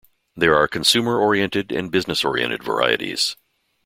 There are consumer oriented and business oriented varieties.